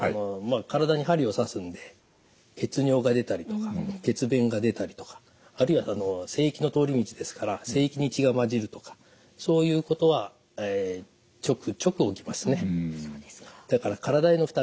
体に針を刺すんで血尿が出たりとか血便が出たりとかあるいは精液の通り道ですから精液に血が混じるとかそういうことはちょくちょく起きますね。